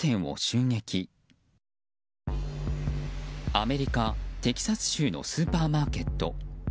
アメリカ・テキサス州のスーパーマーケット。